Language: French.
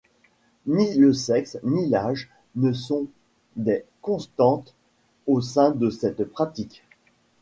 Ni le sexe ni l'âge ne sont des constantes au sein de cette pratique.